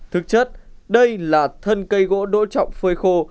thực chất đây là thân cây gỗ đỗ trọng phơi khô